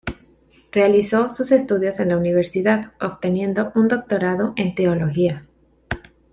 Realizó sus estudios en la Universidad, obteniendo un doctorado en teología.